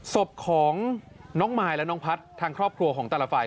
ศพของน้องมายและน้องพัฒน์ทางครอบครัวของแต่ละฝ่าย